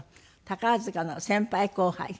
宝塚の先輩後輩？